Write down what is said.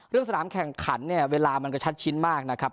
สนามแข่งขันเนี่ยเวลามันกระชัดชิ้นมากนะครับ